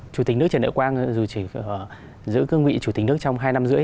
chủ tịch nước trần đại quang dù chỉ giữ cương vị chủ tịch nước trong hai năm rưỡi